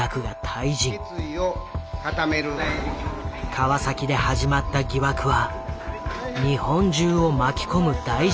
川崎で始まった疑惑は日本中を巻き込む大事件となった。